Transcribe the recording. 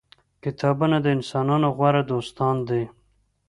کتابونه د انسانانو غوره دوستان دي.